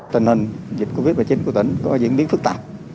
tình hình dịch covid một mươi chín của tỉnh có diễn biến phức tạp